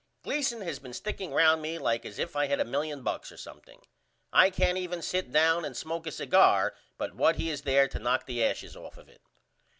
Gleason has been sticking round me like as if I had a million bucks or something. I can't even sit down and smoke a cigar but what he is there to knock the ashes off of it.